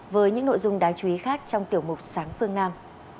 với những nội dung đáng chú ý khác trong tiểu mục sáng phương nam